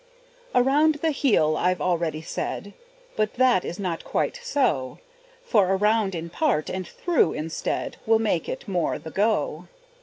Around the heel, I've already said, But that is not quite so; For around in part and through instead Will make it more the go.